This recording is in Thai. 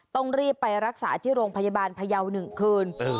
ต้องรีบไปรักษาที่โรงพยาบาลพยาว๑คืน